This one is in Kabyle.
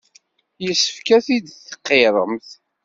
Yessefk ad t-id-tqirremt.